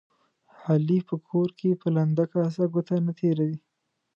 علي په کور کې په لنده کاسه ګوته نه تېروي.